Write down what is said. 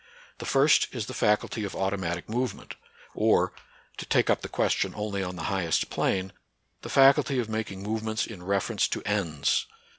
The first is the faculty of automatic move ment, or — to take up the question only on the highest plane — the faculty of making movements in reference to ends.